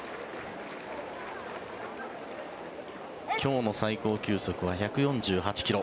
今日の最高球速は１４８ｋｍ。